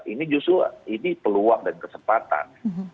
ini justru ini peluang dan kesempatan